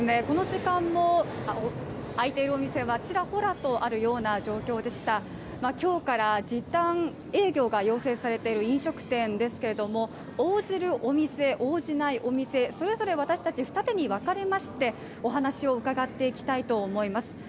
この時間も空いてるお店がちらほらとあるような状況でした今日から時短営業が要請されている飲食店ですけれども、応じるお店・応じないお店それぞれ私達二手にわかれまして、お話を伺っていきたいと思います